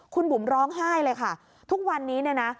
คุณบุ๋มร้องไห้เลยค่ะทุกวันนี้เนี่ยนะ